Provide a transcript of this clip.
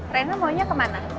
rena maunya kemana